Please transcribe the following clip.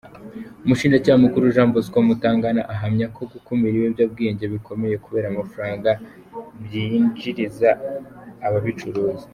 Umushinjacyaha mukuru, Jean Bosco Mutangana, ahamya ko gukumira ibiyobyabwenge bikomeye kubera amafaranga byinjiriza ababicuruza.